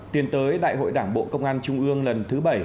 tiến tới đại hội đảng bộ công an trung ương lần thứ bảy